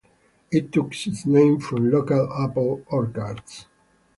It took its name from local apple orchards.